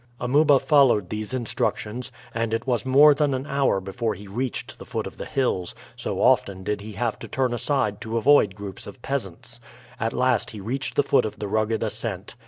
Amuba followed these instructions, and it was more than an hour before he reached the foot of the hills, so often did he have to turn aside to avoid groups of peasants. At last he reached the foot of the rugged ascent.